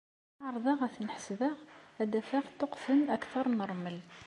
Ma ɛerḍeɣ ad ten-ḥesbeɣ ad afeɣ ṭṭuqqten akter n rrmel.